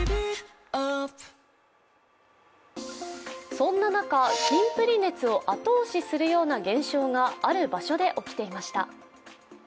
そんな中、キンプリ熱を後押しするような現象がある場所で起きていました。